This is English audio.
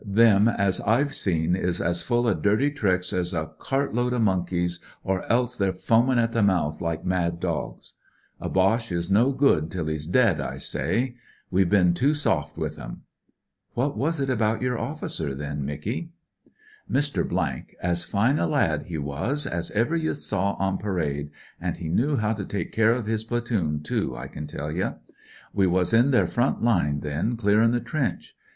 Them as I've seen is as full o' durty tricks as a cartload o' monkeys, or else they're foamin' at the mouth like mad dogs. A Boche is no good till he's dead, I say. We've bin too soft with 'em." 224 (C TT* IT'S A GREAT DO " it 'i 1 I What was it about your officer, then, Micky ?"" Mr, , as fine a lad he was as ever ye saw on p'rade, an* he knew how to take care of his platoon, too, I can tell ye. We was in their front line then, clearin' the trench.